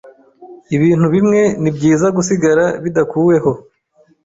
Ibintu bimwe nibyiza gusigara bidakuweho.